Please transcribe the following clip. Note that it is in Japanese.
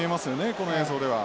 この映像では。